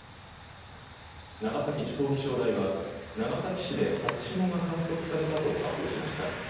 長崎地方気象台は長崎市で初霜が観測されたと発表しました。